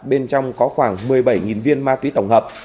bên trong có khoảng một mươi bảy viên ma túy tổng hợp